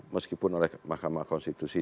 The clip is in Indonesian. meskipun oleh mahkamah konstitusi